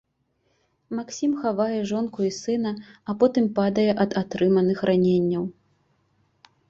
Максім хавае жонку і сына, а потым падае ад атрыманых раненняў.